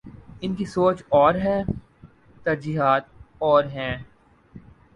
ان کی سوچ اور ہے، ترجیحات اور ہیں۔